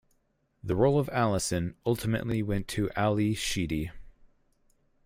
The role of Allison ultimately went to Ally Sheedy.